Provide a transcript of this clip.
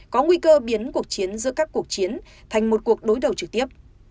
có nguy cơ biến cuộc chiến giữa các cuộc chiến thành một cuộc đối đầu trực tiếp